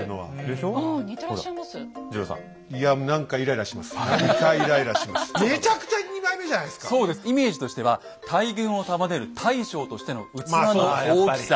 イメージとしては大軍を束ねる大将としての器の大きさ。